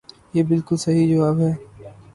یہ بلکل صحیح جواب ہے۔